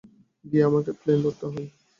গিয়ে আমাকে প্লেন ধরতে হবে।